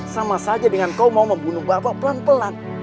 sama saja dengan kau mau membunuh bapak pelan pelan